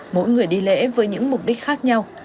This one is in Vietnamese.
mỗi người đi lễ với những mục đích khác nhau